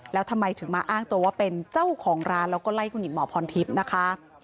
แล้วทำไมถึงมาอ้างตัวว่าเป็นเจ้าของร้านแล้วก็ไล่คุณหญิงหมอพรทิพย์นะคะ